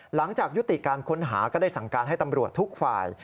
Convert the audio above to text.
หลังจากยุติการค้นหาก็ได้สั่งการให้ตำรวจทุกฝ่าย